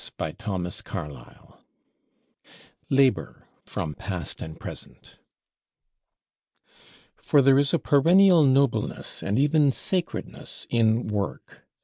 [Signature: Leslie Stephen] LABOR From 'Past and Present' For there is a perennial nobleness, and even sacredness, in Work.